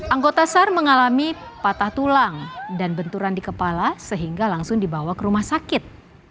anggota sar mengalami patah tulang dan benturan di kepala sehingga langsung dibawa ke rumah sakit